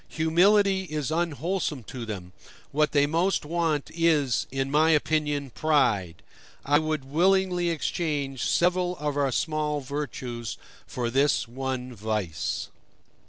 Humility is unwholesome to them; what they most want is, in my opinion, pride. I would willingly exchange several of our small virtues for this one vice.